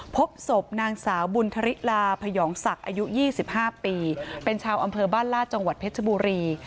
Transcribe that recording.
พบศพนางสาวบุญธริลาพยองศักดิ์อายุ๒๕ปีเป็นชาวอำเภอบ้านลาดจังหวัดเพชรบุรี